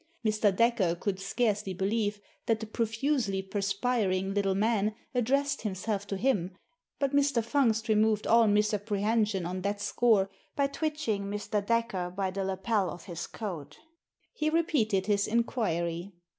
Mr. Dacre could scarcely believe that the profusely perspiring little man addressed himself to him, but Mr. Fungst removed all misapprehension on that score by twitching Mr. Dacre by the lapel of his coat He repeated his inquiry.